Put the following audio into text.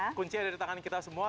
ini kunci ada di tangan kita semua